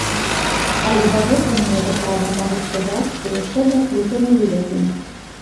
Але да восені я дакладна магу сказаць, што яшчэ два кліпы мы выдадзім.